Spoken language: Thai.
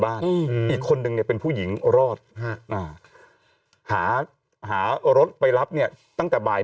บ้านอีกคนนึงเป็นผู้หญิงรอดหารถไปรับเนี่ยตั้งแต่บ่าย